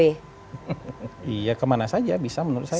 iya kemana saja bisa menurut saya